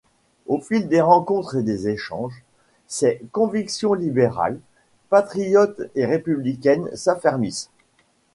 Au fil des rencontres et des échanges, ses convictions libérales, patriotes et républicaines s'affermissent.